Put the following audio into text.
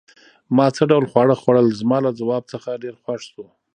ما څه ډول خواړه خوړل؟ زما له ځواب څخه ډېر خوښ شو.